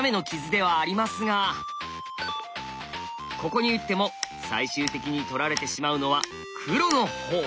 ここに打っても最終的に取られてしまうのは黒のほう。